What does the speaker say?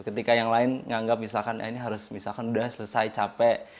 ketika yang lain menganggap ini harus selesai capek